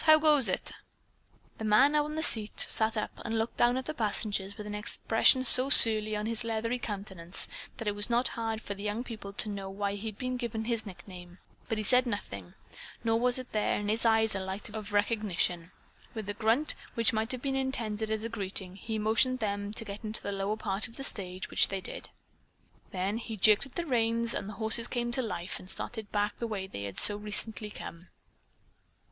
How goes it?" The man on the seat sat up and looked down at the passengers with an expression so surly on his leathery countenance that it was not hard for the young people to know why he had been given his nickname, but he said nothing, nor was there in his eyes a light of recognition. With a grunt, which might have been intended as a greeting, he motioned them to get into the lower part of the stage, which they did. Then he jerked at the reins and the horses came to life and started back the way they had so recently come.